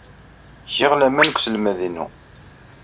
Giɣ laman deg uselmad-inu.